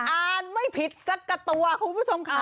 อ่านไม่ผิดสักกับตัวคุณผู้ชมค่ะ